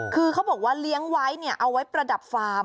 คือเขาบอกว่าเลี้ยงไว้เอาไว้ประดับฟาร์ม